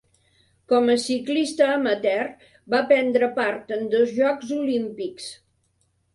Com a ciclista amateur va prendre part en dos Jocs Olímpics.